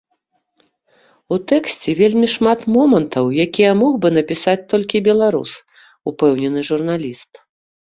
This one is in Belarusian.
У тэксце вельмі шмат момантаў, якія мог бы напісаць толькі беларус, упэўнены журналіст.